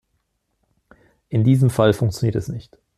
In diesem Fall funktioniert es nicht.